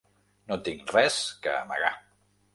No tinc res que amagar.